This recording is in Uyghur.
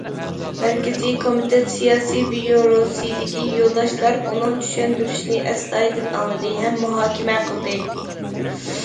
مەركىزىي كومىتېت سىياسىي بىيۇروسىدىكى يولداشلار ئۇنىڭ چۈشەندۈرۈشىنى ئەستايىدىل ئاڭلىدى ھەم مۇھاكىمە قىلدى.